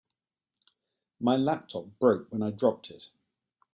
My laptop broke when I dropped it.